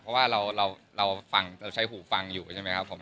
เพราะว่าเราฟังเราใช้หูฟังอยู่ใช่ไหมครับผม